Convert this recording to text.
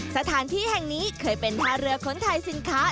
สถานที่แห่งนี้เคยเป็นท่าเรือคนไทยสินค้า